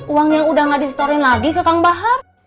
uang yang udah gak disetorin lagi ke kang bahar